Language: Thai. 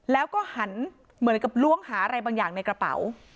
แล้วก็หันเหมือนกับล้วงหาอะไรบางอย่างในกระเป๋า